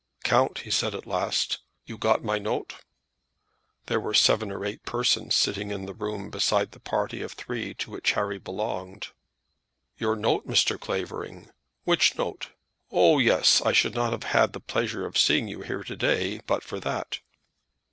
"Count," he said at last, "you got my note?" There were seven or eight persons sitting in the room besides the party of three to which Harry belonged. "Your note, Mr. Clavering! which note? Oh, yes; I should not have had the pleasure of seeing you here to day but for that."